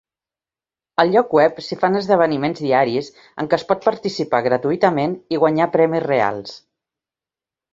Al lloc web s'hi fan esdeveniments diaris en què es pot participar gratuïtament i guanyar premis reals.